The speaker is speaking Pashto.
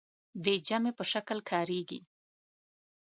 د جمع په شکل کاریږي.